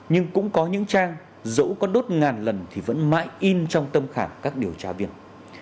nhưng cũng có những trang dẫu có đốt ngàn lần thì vẫn mãi in trong tâm khảm các điều tra viên